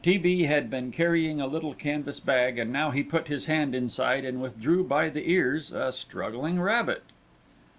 T. B. had been carrying a little canvas bag, and now he put his hand inside and withdrew by the ears a struggling rabbit.